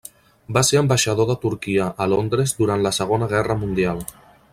Va ser ambaixador de Turquia a Londres durant la Segona Guerra Mundial.